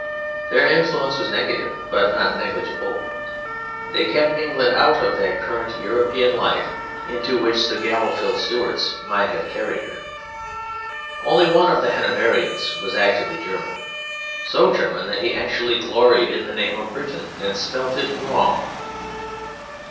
Their influence was negative but not negligible; they kept England out of that current of European life into which the Gallophil Stuarts might have carried her. Only one of the Hanoverians was actively German; so German that he actually gloried in the name of Briton, and spelt it wrong.